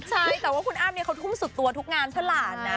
ใช่แต่ว่าคุณอ้ำเขาทุ่มสุดตัวทุกงานฉลาดนะ